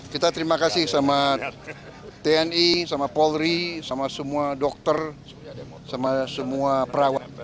kita terima kasih sama tni sama polri sama semua dokter sama semua perawat